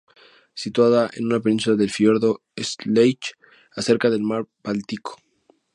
Situada en una península del fiordo "Schlei", cerca del mar Báltico.